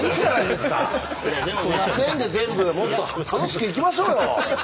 「すいません」で全部もっと楽しくいきましょうよ。